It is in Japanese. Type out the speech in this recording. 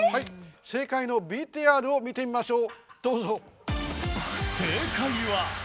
正解のＶＴＲを見てみましょう。